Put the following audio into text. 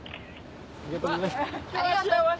ありがとうございます。